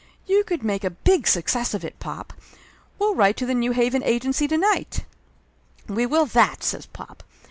"You could make a big success of it, pop. We'll write to the New Haven agency to night." "We will that!" says pop.